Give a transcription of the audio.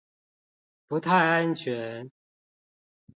不太安全